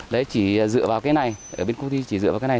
đấy chỉ dựa vào cái này ở bên công ty chỉ dựa vào cái này